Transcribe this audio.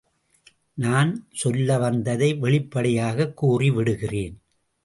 நான் சொல்ல வந்ததை வெளிப்படையாகக் கூறி விடுகிறேன்.